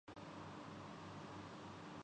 جیسے پہلے تھے۔